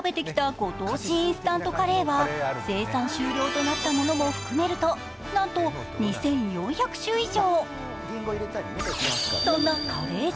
ご当地インスタントカレーには生産終了になったものも含めるとなんと２４００種以上。